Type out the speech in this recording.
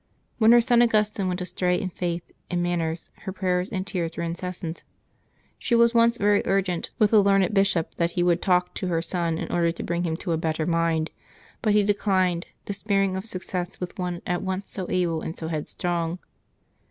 When her son Augustine went astray in faith and man ners her prayers and tears were incessant. She was once very urgent with a learned bishop that he would talk to her son in order to bring him to a better mind, but he de clined, despairing of success with one at once so able and BO headstrong.